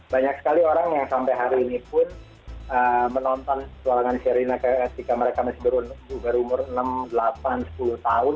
banyak sekali orang yang sampai hari ini pun menonton sherina ketika mereka masih berumur enam delapan sepuluh tahun